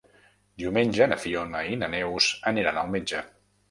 Diumenge na Fiona i na Neus aniran al metge.